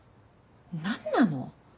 何なの！？